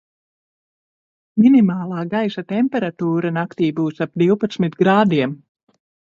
Minimālā gaisa temperatūra naktī būs ap divpadsmit grādiem.